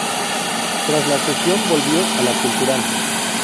Tras la cesión volvió a la Cultural.